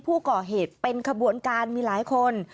ผู้ก่อเหตุเป็นขบวนการมีหลายคน